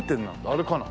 あれかな？